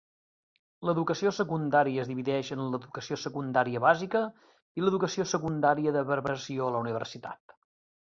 L"educació secundària es divideix en l"educació secundaria bàsica i l"educació secundària de preparació a la universitat.